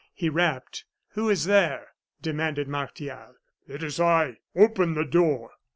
He rapped. "Who is there?" demanded Martial. "It is I; open the door."